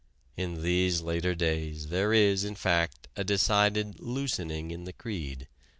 In these later days there is in fact, a decided loosening in the creed.